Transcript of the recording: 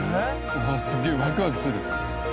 うわすげえワクワクする。